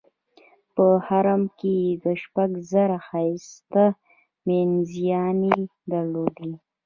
په حرم کې یې شپږ زره ښایسته مینځیاني درلودې.